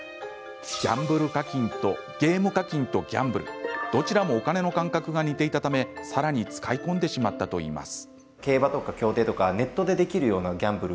ゲーム課金とギャンブルどちらもお金の感覚が似ていたため、さらに使い込んでしまったといいます。